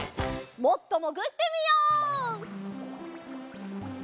もっともぐってみよう！